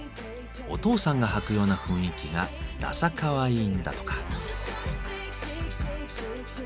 お父さんが履くような雰囲気がダサかわいいんだとか。